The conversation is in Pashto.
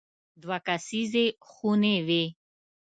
دوه کسیزې خونې وې.